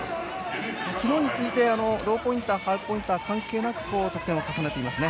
昨日に続いてローポインターハイポインター関係なく得点を重ねていますね。